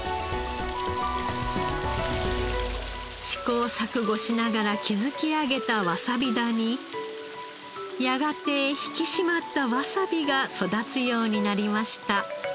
試行錯誤しながら築き上げたわさび田にやがて引き締まったわさびが育つようになりました。